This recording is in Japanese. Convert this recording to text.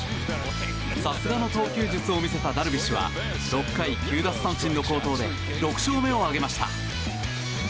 さすがの投球術を見せたダルビッシュは６回９奪三振の好投で６勝目を挙げました。